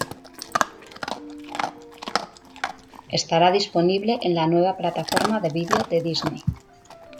Estará disponible en la nueva plataforma de video de Disney.